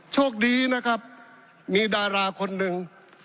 โชคดีนะครับมีดาราคนหนึ่ง